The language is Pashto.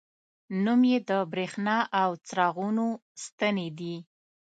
نوم یې د بریښنا او څراغونو ستنې دي.